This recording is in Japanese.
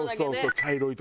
茶色い所。